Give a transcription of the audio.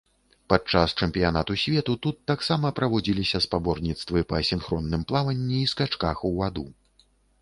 Падчас чэмпіянату свету тут таксама праводзіліся спаборніцтвы па сінхронным плаванні і скачках у ваду.